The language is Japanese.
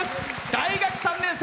大学３年生。